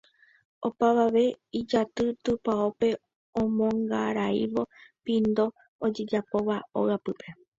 opavave ijaty tupãópe omongaraívo pindo ojejapóva ogapýpe